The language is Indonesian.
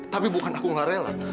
tapi bukan aku gak rela